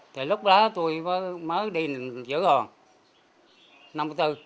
thì lúc đó tôi mới đi giữ hòn